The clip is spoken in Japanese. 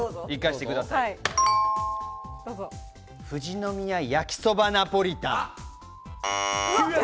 富士宮やきそばナポリタン。